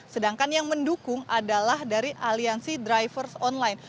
sedangkan yang mendukung adalah dari aliansi drivers online